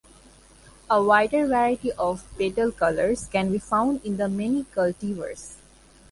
A wider variety of petal colors can be found in the many cultivars.